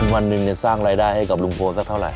วันหนึ่งสร้างรายได้ให้กับลุงพลสักเท่าไห